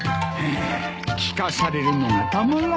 聞かされるのがたまらん。